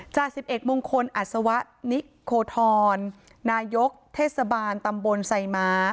จ้า๑๑มงคลอัศวะนิโคทรนายกเทศบาลตำบลไซมะ